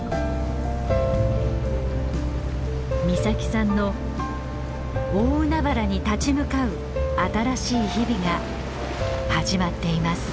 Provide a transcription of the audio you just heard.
岬さんの大海原に立ち向かう新しい日々が始まっています。